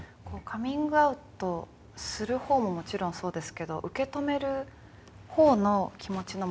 カミングアウトする方ももちろんそうですけど受け止める方の気持ちの持ち方だったりですとか。